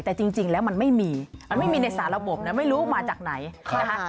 แต่จริงแล้วมันไม่มีมันไม่มีในสารระบบนะไม่รู้มาจากไหนนะคะ